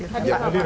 hadir gak pak